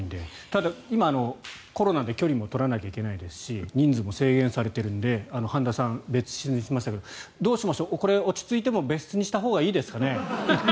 ただ、今、コロナで距離も取らなきゃいけないですし人数も制限されているので半田さん、別室にしましたがどうしましょうこれ、落ち着いても別室にしたほうがいいですかね？